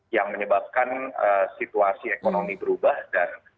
yang menyebabkan situasi ekonomi berubah dan